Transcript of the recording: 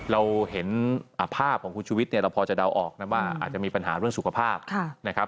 เราเห็นภาพของคุณชุวิตเนี่ยเราพอจะเดาออกนะว่าอาจจะมีปัญหาเรื่องสุขภาพนะครับ